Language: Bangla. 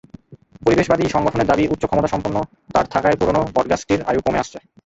পরিবেশবাদী সংগঠনের দাবি, উচ্চক্ষমতাসম্পন্ন তার থাকায় পুরোনো বটগাছটির আয়ু কমে আসছে।